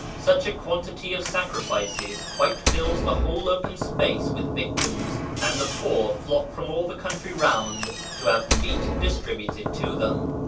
Such a quantity of sacrifices quite fills the whole open space with victims, and the poor flock from all the country round to have meat distributed to them.